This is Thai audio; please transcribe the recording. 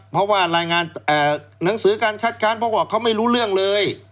เพราะว่าหนังสือการคัดค้านเขาบอกไม่รู้เรื่องเลย